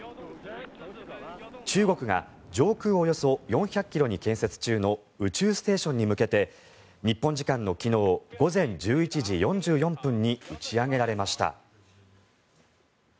中国が上空およそ４００ｋｍに建設中の宇宙ステーションに向けて日本時間の昨日午前１１時４４分に打ち上げられました。